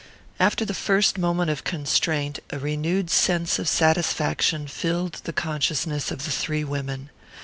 After the first moment of constraint a renewed sense of satisfaction filled the consciousness of the three women.